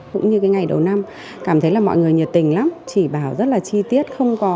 cũng như ngày đầu năm cảm thấy mọi người nhiệt tình lắm chỉ bảo rất là chi tiết